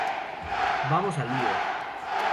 Vamos al lío!!